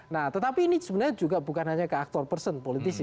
nah tetapi ini sebenarnya juga bukan hanya ke aktor person politisi